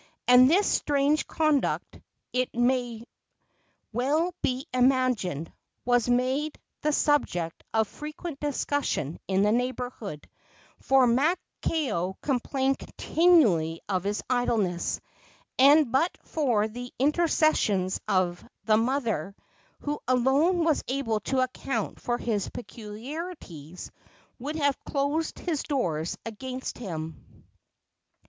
And his strange conduct, it may well be imagined, was made the subject of frequent discussion in the neighborhood, for Maakao complained continually of his idleness, and but for the intercessions of the mother, who alone was able to account for his peculiarities, would have closed his doors against him.